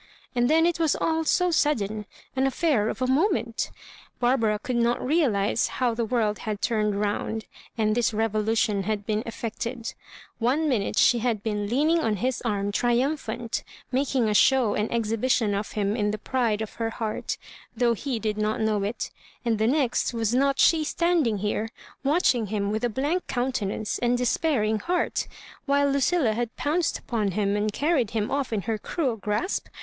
And then it was all so sudden — ^an affair of a moment Barbara could not realise how the world had turned round, and this revolution had been effected ;— one minute she had been lean ing on his arm triumphant, making a show and exhibition of him in the pride of her heart, though he did not know it ; and the next was not she standing here watching him with a blank countenance and a despairing heart, while Lu cilla had pounced upon him and carried him off in her cruel grasp